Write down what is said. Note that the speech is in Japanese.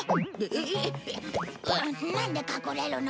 なんで隠れるの？